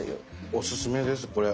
おすすめですこれ。